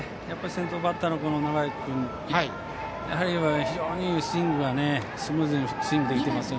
先頭バッターの永井君やはり非常にスイングがスムーズにできています。